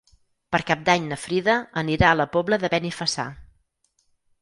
Per Cap d'Any na Frida anirà a la Pobla de Benifassà.